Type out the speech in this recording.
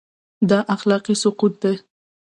دا اخلاقي سقوط دی.